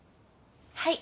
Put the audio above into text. はい。